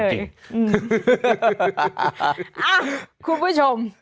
อ่ะคุณผู้ชม